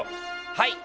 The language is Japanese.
はい！